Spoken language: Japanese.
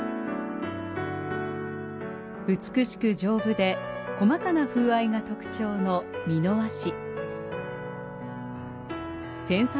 美しく丈夫で細かな風合いが特徴の美濃和紙。